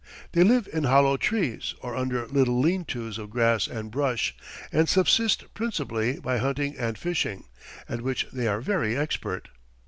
They live in hollow trees or under little lean tos of grass and brush, and subsist principally by hunting and fishing, at which they are very expert.